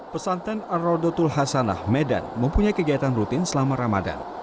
pesantren ar radotul hasanah medan mempunyai kegiatan rutin selama ramadan